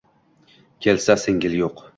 Kelsa singil yo‘q